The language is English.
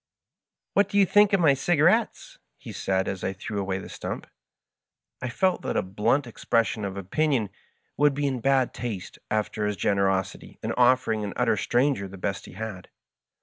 " What do you think of my cigarettes ?" he said, as I threw away the stump. I felt that a blunt expression of opinion would be in bad taste after his generosity in offering an utter stranger the best he had.